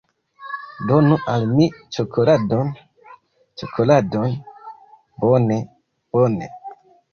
Donu al mi ĉokoladon. Ĉokoladon. Bone. Bone.